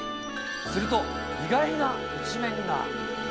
すると、意外な一面が。